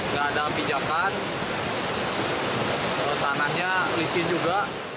tidak ada pinjakan tanahnya licin juga